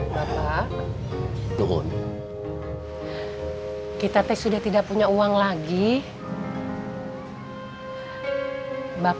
jangan lupa subscribe channel ini ya